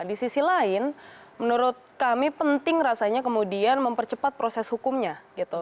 di sisi lain menurut kami penting rasanya kemudian mempercepat proses hukumnya gitu